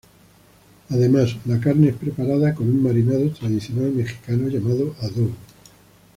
Además, la carne es preparada con un marinado tradicional mexicano llamado Adobo.